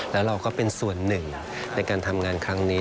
แล้วเราก็เป็นส่วนหนึ่งในการทำงานครั้งนี้